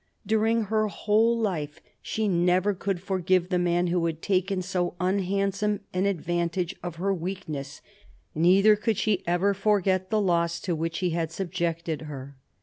During her whole life she never could forgive the man who had taken so unhandsome an advantage of her weakness, neither could she ever forget the loss to which he had subjected her.